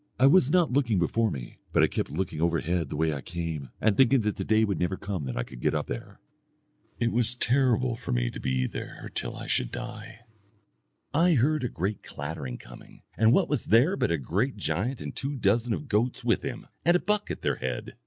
I was not looking before me, but I kept looking overhead the way I came and thinking that the day would never come that I could get up there. It was terrible for me to be there till I should die. I heard a great clattering, coming, and what was there but a great giant and two dozen of goats with him, and a buck at their head.